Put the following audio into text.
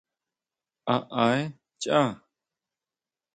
¿A aé chaá?